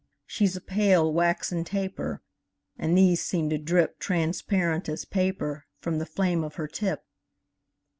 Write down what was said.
She's a pale, waxen taper; And these seem to drip Transparent as paper From the flame of her tip.